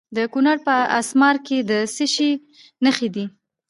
د کونړ په اسمار کې د څه شي نښې دي؟